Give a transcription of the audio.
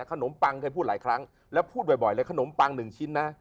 ปังเคยพูดหลายครั้งแล้วพูดบ่อยเลยขนมปังหนึ่งชิ้นนะ